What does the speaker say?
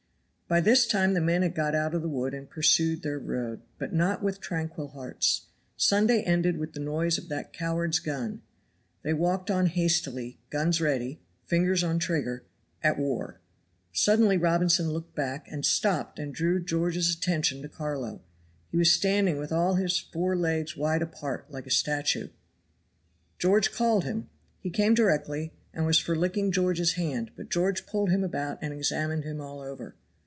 By this time the men had got out of the wood, and pursued their road, but not with tranquil hearts. Sunday ended with the noise of that coward's gun. They walked on hastily, guns ready, fingers on trigger at war. Suddenly Robinson looked back, and stopped and drew George's attention to Carlo. He was standing with all his four legs wide apart, like a statue. George called him; he came directly, and was for licking George's hand, but George pulled him about and examined him all over.